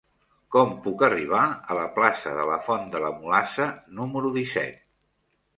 Com puc arribar a la plaça de la Font de la Mulassa número disset?